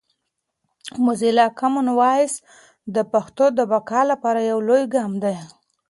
موزیلا کامن وایس د پښتو د بقا لپاره یو لوی ګام دی.